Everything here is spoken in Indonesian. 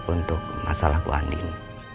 untuk masalah bu andin